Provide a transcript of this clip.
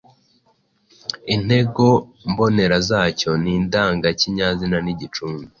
Intego mbonera zacyo ni indangakinyazina n’igicumbi .